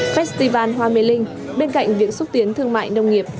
festival hoa mê linh bên cạnh việc xúc tiến thương mại nông nghiệp